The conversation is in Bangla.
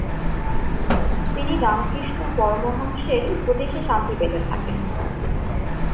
তিনি রামকৃষ্ণ পরমহংসের উপদেশে শান্তি পেতে থাকেন।